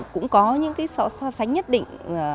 cũng có những so sánh nhất định